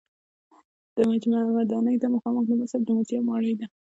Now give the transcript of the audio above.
د مجمع ودانۍ ته مخامخ د مصر د موزیم ماڼۍ ده.